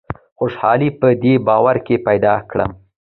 خوشالي په دې باور کې پیدا کړم.